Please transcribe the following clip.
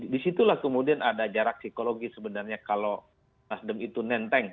disitulah kemudian ada jarak psikologis sebenarnya kalau nasdem itu nenteng